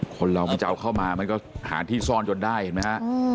คนเรามันจะเอาเข้ามามันก็หาที่ซ่อนจนได้เห็นไหมฮะ